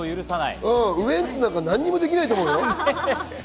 ウエンツは何もできないと思うよ。